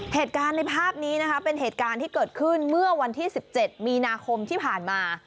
เหตุการณ์ในภาพนี้นะคะเป็นเหตุการณ์ที่เกิดขึ้นเมื่อวันที่๑๗มีนาคมที่ผ่านมา